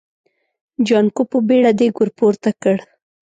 جانکو په بيړه دېګ ور پورته کړ.